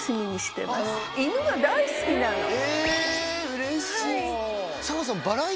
うれしい！